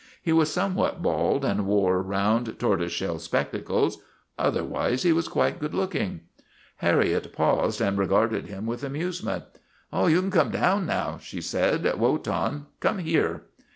He was somewhat bald and wore round, tortoise shell spectacles ; otherwise he was quite good looking. Harriet paused and regarded him with amuse ment. " You can come down now," she said. " Wotan, come here."